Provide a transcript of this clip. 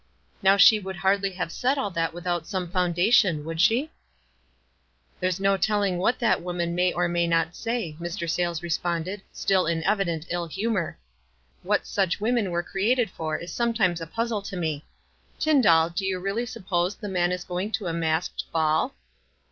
Now she would hardly have said all that without some foundation, would she?" "There's no telling what that woman may or may not say," Mr. Sayles responded, still in evident ill humor. " What such women were created for is sometimes a puzzle to me. Tyn dall, do you really suppose the man is going to a masked ball?"